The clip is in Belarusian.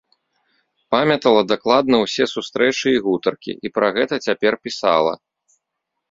Памятала дакладна ўсе сустрэчы і гутаркі і пра гэта цяпер пісала.